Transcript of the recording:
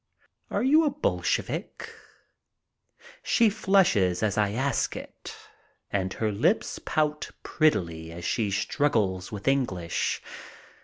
"Are you a Bolshevik?" She flushes as I ask it, and her lips pout prettily as she struggles with English.